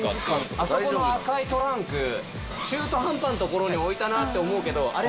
あそこの赤いトランク中途半端な所に置いたなって思うけどあれ。